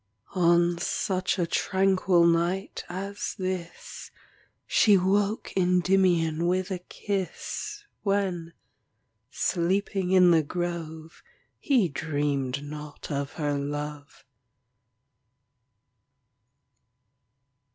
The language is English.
On such a tranquil night as this, She woke Endymion with a kiss, When, sleeping in the grove, He dreamed not of her love.